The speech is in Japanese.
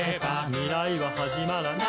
「未来ははじまらない」